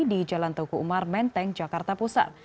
di jalan teguh umar menteng jakarta pusat